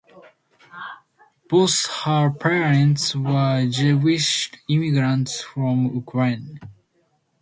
Both her parents were Jewish immigrants from Ukraine.